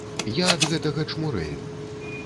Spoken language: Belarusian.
Я ад гэтага чмурэю.